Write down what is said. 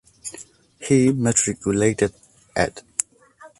He matriculated at.